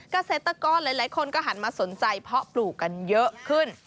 เกษตรกรหลายคนก็หันมาสนใจเพาะปลูกกันเยอะขึ้น